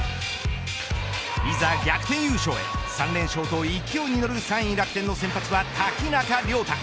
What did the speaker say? いざ逆転優勝へ３連勝と勢いに乗る３位楽天の先発は瀧中瞭太。